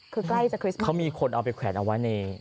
เขามีคนเอาไปแขวนเอาไว้ใน